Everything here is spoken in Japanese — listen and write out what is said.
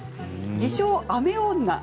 自称・雨女。